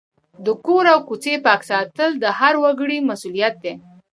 د کور او کوڅې پاک ساتل د هر وګړي مسؤلیت دی.